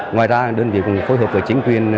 ngoài ra đơn vị cũng phối hợp với chính quyền